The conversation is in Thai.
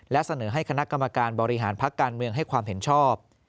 และเสนอให้คณะกรรมการบริหารพักการเมืองให้ความเห็นชอบ